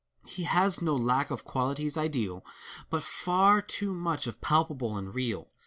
He has no lack of qualities ideal, But far too much of palpable and real.